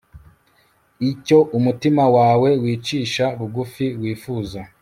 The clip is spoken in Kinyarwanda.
Icyo umutima wawe wicisha bugufi wifuza